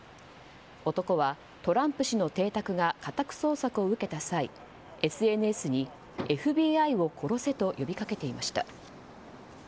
男は、トランプ氏の邸宅が家宅捜索を受けた際ＳＮＳにＦＢＩを殺せと呼びかけていました。